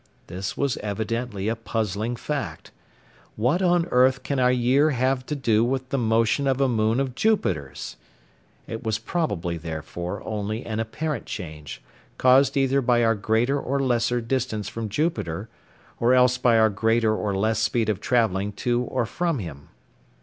This was evidently a puzzling fact: what on earth can our year have to do with the motion of a moon of Jupiter's? It was probably, therefore, only an apparent change, caused either by our greater or less distance from Jupiter, or else by our greater or less speed of travelling to or from him.